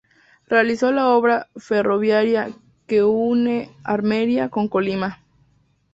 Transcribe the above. Realizó la obra ferroviaria que une Armería con Colima.